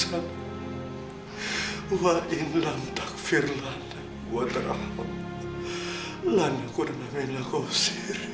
hai baila takfir lihat veteran lana quran amin lagu sirih